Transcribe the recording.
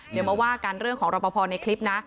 เดี๋ยวมาว่ากันเรื่องของรอปภในคลิปนะ